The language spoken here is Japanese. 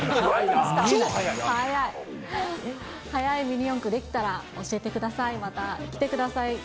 速いミニ四駆出来たら教えてください、また来てください。